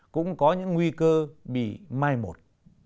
cũng có những nguy cơ bị mai một